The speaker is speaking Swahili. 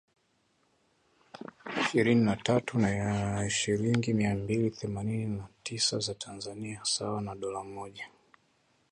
ishirini na tatu na shilingi mia mbili themanini na tisa za Tanzania sawa na dola mmoja